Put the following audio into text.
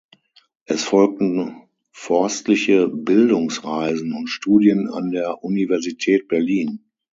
Es folgten forstliche Bildungsreisen und Studien an der Universität Berlin.